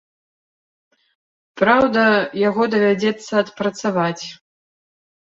Праўда, яго давядзецца адпрацаваць.